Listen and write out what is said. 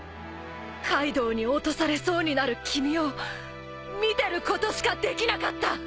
カイドウに落とされそうになる君を見てることしかできなかった。